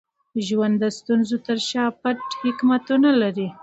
ژوند د ستونزو تر شا پټ حکمتونه لري.